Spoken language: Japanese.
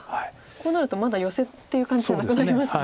こうなるとまだヨセっていう感じじゃなくなりますね。